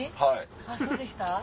あっそうでした？